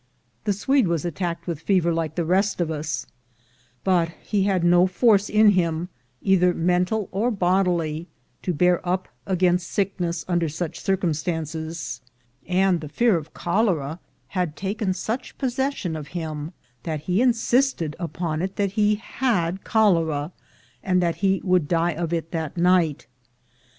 The Swede was attacked with fever like the rest of us, but he had no force in him, either mental or bodily, to bear up against sick ness under such circumstances ; and the fear of cholera had taken such possession of him, that he insisted upon it that he had cholera, and that he would die of it that night.